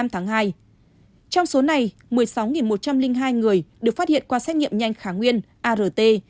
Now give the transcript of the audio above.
trong số này một mươi sáu một trăm linh hai người được phát hiện qua xét nghiệm nhanh kháng nguyên art